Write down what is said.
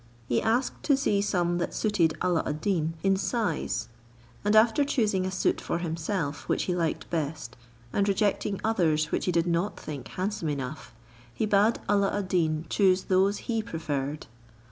He asked to see some that suited Alla ad Deen in size; and after choosing a suit for himself which he liked best, and rejecting others which he did not think handsome enough, he bade Alla ad Deen choose those he preferred.